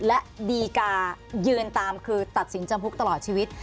และดีกายืนตามคือตัดสินจำคุกตลอดชีวิต